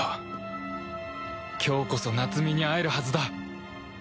今日こそ夏美に会えるはずだ！